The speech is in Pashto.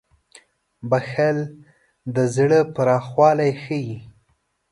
• بښل د زړه پراخوالی ښيي.